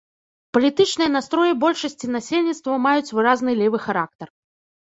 Палітычныя настроі большасці насельніцтва маюць выразны левы характар.